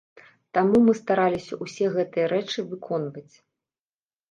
Таму мы стараліся ўсе гэтыя рэчы выконваць.